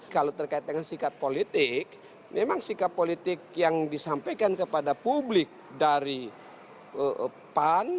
kalau terkait dengan sikap politik memang sikap politik yang disampaikan kepada publik dari pan